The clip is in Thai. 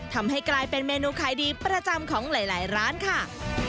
ทำให้กลายเป็นเมนูขายดีประจำของหลายร้านค่ะ